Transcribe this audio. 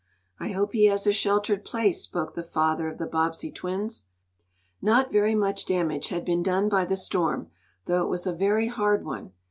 "I hope he has a sheltered place," spoke the father of the Bobbsey twins. Not very much damage had been done by the storm, though it was a very hard one.